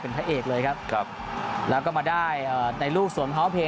เป็นพระเอกเลยครับครับแล้วก็มาได้เอ่อในลูกสวนภาพเพลย์